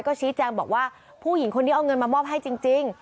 ก็ชี้แจงบอกว่าผู้หญิงคนนี้เอาเงินมามอบให้จริง